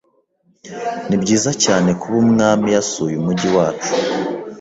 Nibyiza cyane kuba Umwami yasuye umujyi wacu.